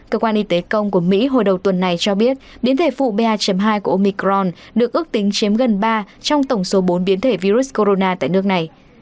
cơ quan y tế công của mỹ hồi đầu tuần này cho biết biến thể phụ ba hai của omicron được ước tính chiếm gần ba trong tổng số bốn biến thể virus corona tại nước này